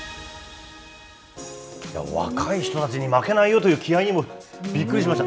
若い人たちに負けないよという気合いにもびっくりしました。